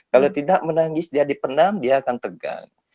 kalau tidak menangis dia dipenam dia akan tegang